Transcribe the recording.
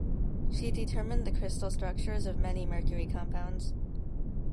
She determined the crystal structures of many mercury compounds.